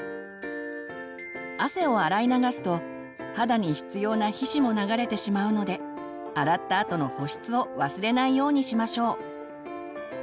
汗を洗い流すと肌に必要な皮脂も流れてしまうので洗ったあとの保湿を忘れないようにしましょう。